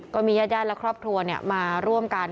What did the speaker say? ก็มีญาติและครอบครัวมาร่วมกัน